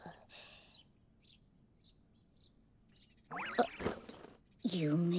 あっゆめ？